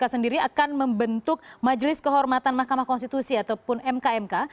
dan nanti mereka akan membentuk majelis kehormatan mahkamah konstitusi ataupun mk mk